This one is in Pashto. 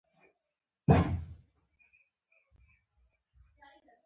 په دې لویه کوڅه کې، ګل جانه د یوه پلورنځي په لټه شوه.